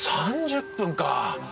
３０分か。